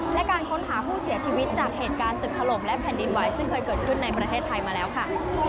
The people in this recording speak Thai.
และการค้นหาผู้เสียชีวิตจากเหตุการณ์ตึกถล่มและแผ่นดินไหวซึ่งเคยเกิดขึ้นในประเทศไทยมาแล้วค่ะ